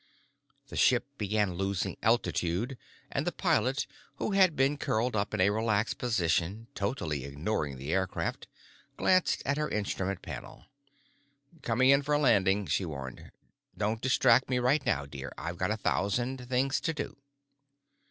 The ship began losing altitude, and the pilot, who had been curled up in a relaxed position, totally ignoring the aircraft, glanced at her instrument panel. "Coming in for a landing," she warned. "Don't distract me right now, dear, I've got a thousand things to do."